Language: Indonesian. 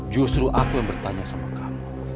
justru aku yang bertanya sama kamu